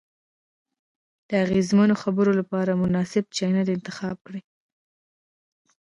د اغیزمنو خبرو لپاره مناسب چینل انتخاب کړئ.